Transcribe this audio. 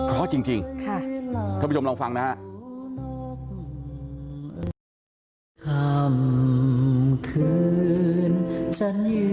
เพราะจริงท่านผู้ชมลองฟังนะฮะ